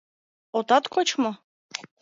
— Отат коч мо?